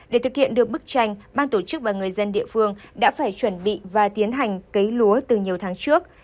để thực hiện được bức tranh ban tổ chức và người dân địa phương đã phải chuẩn bị và tiến hành cấy lúa từ nhiều tháng trước